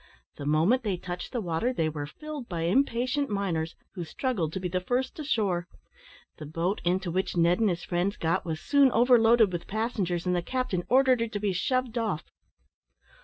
The moment they touched the water they were filled by impatient miners, who struggled to be first ashore. The boat into which Ned and his friends got was soon overloaded with passengers, and the captain ordered her to be shoved off.